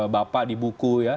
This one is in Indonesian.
bapak di buku ya